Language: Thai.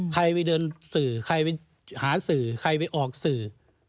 ใครไปเดินสื่อใครไปหาสื่อใครไปออกสื่อ